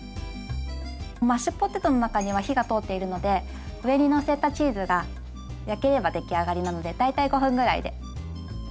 マッシュポテトの中には火が通っているので上にのせたチーズが焼ければ出来上がりなので大体５分ぐらいで。